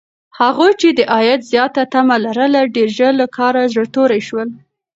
هغوی چې د عاید زیاته تمه لرله، ډېر ژر له کاره زړه توري شول.